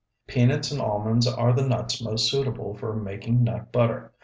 Peanuts and almonds are the nuts most suitable for making nut butter.